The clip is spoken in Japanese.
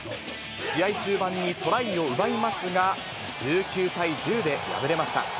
試合終盤にトライを奪いますが、１９対１０で敗れました。